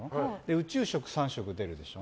宇宙食３食出るでしょ。